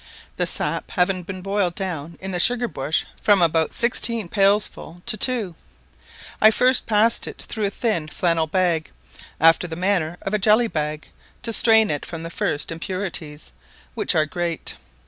The sap having been boiled down in the sugar bush from about sixteen pailsful to two, I first passed it through a thin flannel bag, after the manner of a jelly bag, to strain it from the first impurities, which are great.